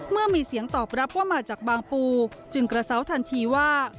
เมื่อมีเสียงตอบรับว่ามาจากบางปูจึงกระเซาทันทีว่า